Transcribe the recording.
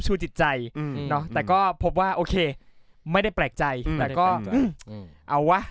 จิตใจแต่ก็พบว่าโอเคไม่ได้แปลกใจแต่ก็เอาวะ